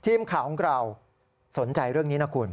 ทีมข่าวของเราสนใจเรื่องนี้นะคุณ